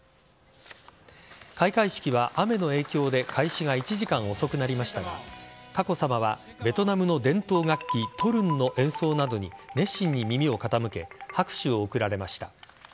開会式は雨の影響で開始が１時間遅くなりましたが佳子さまはベトナムの伝統楽器トルンの演奏などに熱心に耳を傾け拍手を送られました。